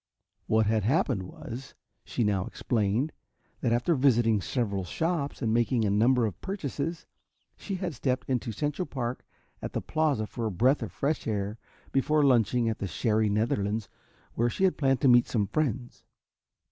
What had happened was, she now explained, that after visiting several shops and making a number of purchases, she had stepped into Central Park at the Plaza for a breath of fresh air before lunching at the Sherry Netherlands, where she planned to meet some friends.